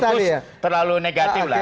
kalau sirkus terlalu negatif lah